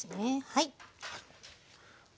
はい。